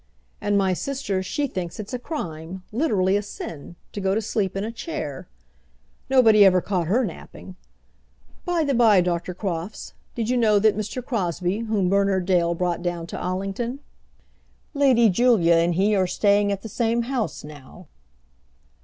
And my sister, she thinks it a crime literally a sin, to go to sleep in a chair. Nobody ever caught her napping! By the by, Dr. Crofts, did you know that Mr. Crosbie whom Bernard Dale brought down to Allington? Lady Julia and he are staying at the same house now."